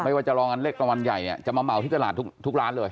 ไม่ว่าจะรองันเล็กตะวันใหญ่เนี่ยจะมาเหมาที่ตลาดทุกทุกร้านเลย